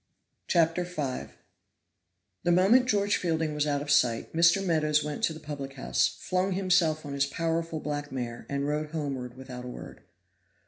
CHAPTER V. THE moment George Fielding was out of sight, Mr. Meadows went to the public house, flung himself on his powerful black mare, and rode homeward without a word.